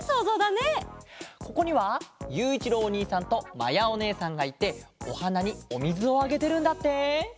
ここにはゆういちろうおにいさんとまやおねえさんがいておはなにおみずをあげてるんだって！